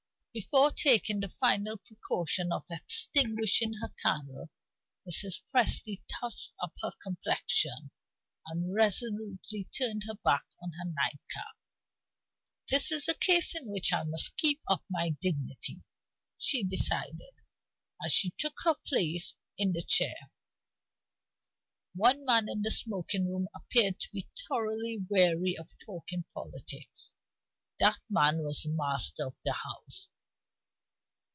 Before taking the final precaution of extinguishing her candle, Mrs. Presty touched up her complexion, and resolutely turned her back on her nightcap. "This is a case in which I must keep up my dignity," she decided, as she took her place in the chair. One man in the smoking room appeared to be thoroughly weary of talking politics. That man was the master of the house.